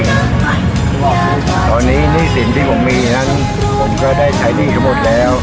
เงินที่ผมมีนั้นผมก็ได้ใช้หนี้เขาหมดแล้ว